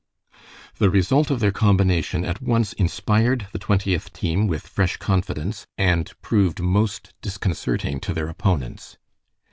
The result of their combination at once inspired the Twentieth team with fresh confidence, and proved most disconcerting to their opponents.